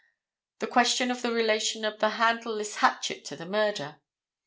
The question of the relation of this handleless hatchet to the murder.